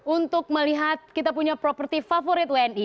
untuk melihat kita punya properti favorit wni